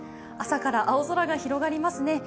朝から青空、広がりますね。